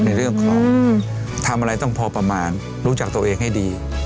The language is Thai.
ในเรื่องของทำอะไรต้องพอประมาณรู้จักตัวเองให้ดี